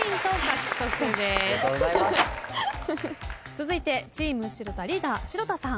続いてチーム城田リーダー城田さん。